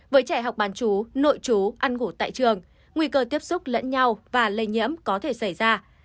với trẻ học bán chú nội chú ăn ngủ tại trường nguy cơ tiếp xúc lẫn nhau và lây nhiễm có thể xảy ra